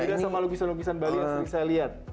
beda sama lukisan lukisan bali yang sering saya lihat